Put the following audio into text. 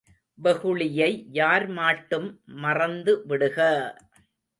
வெகுளியை யார் மாட்டும் மறந்து விடுக!